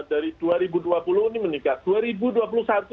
dari dua ribu dua puluh ini meningkat